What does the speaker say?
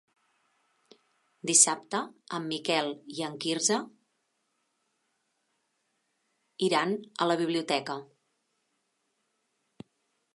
Dissabte en Miquel i en Quirze iran a la biblioteca.